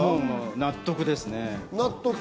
納得ですよね。